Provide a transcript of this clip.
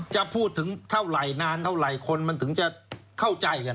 จะพูดถึงเท่าไหร่นานเท่าไหร่คนมันถึงจะเข้าใจกัน